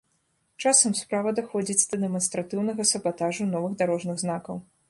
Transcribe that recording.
Часам справа даходзіць да дэманстратыўнага сабатажу новых дарожных знакаў.